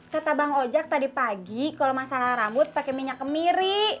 kata bang ojak tadi pagi kalau masalah rambut pakai minyak kemiri